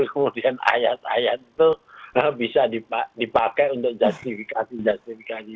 kemudian ayat ayat itu bisa dipakai untuk justifikasi justifikasi